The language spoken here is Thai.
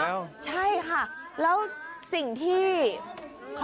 เย็นไปอยู่บ้านตะวันดีเลย